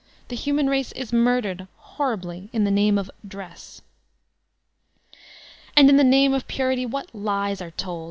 The human race is mur dered, horribly, ''in the name of" Dress. And in the name of Purity what lies are told!